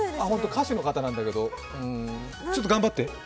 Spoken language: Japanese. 歌手の方なんだけど、ちょっと頑張って。